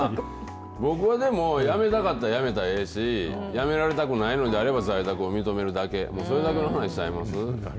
僕は辞めたかったら辞めたらええし、辞められたくないのであれば、在宅を認めるだけ、それだけの話ちゃいます？